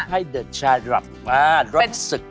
ได้ให้เดินทางหลับมารถสึก